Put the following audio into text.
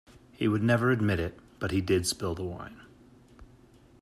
He would never admit it, but he did spill the wine.